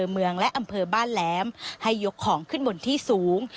เมืองและอำเภอบ้านแหลมให้ยกของขึ้นบนที่สูง